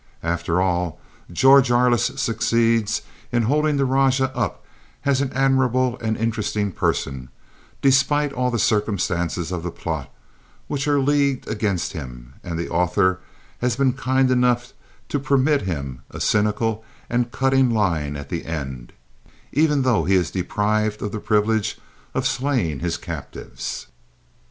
After all, George Arliss succeeds in holding the rajah up as an admirable and interesting person, despite all the circumstances of the plot, which are leagued against him, and the author has been kind enough to permit him a cynical and cutting line at the end, even though he is deprived of the privilege of slaying his captives.